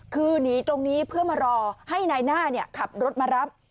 คือหนีตรงนี้เพื่อมารอให้นายหน้าขับรถมารับ